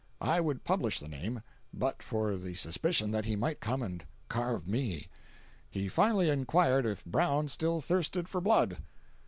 I would publish the name, but for the suspicion that he might come and carve me. He finally inquired if Brown still thirsted for blood.